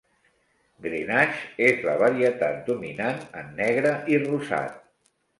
Grenache és la varietat dominant en Negre i Rosat.